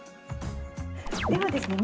ではですね